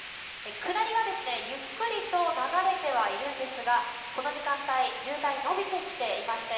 下りはゆっくりと流れてはいるんですがこの時間帯、渋滞が延びてきていまして